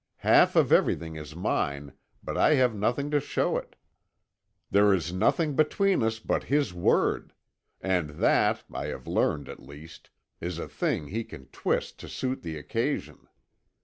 Half of everything is mine, but I have nothing to show it. There is nothing between us but his word! and that, I have learned at last, is a thing he can twist to suit the occasion.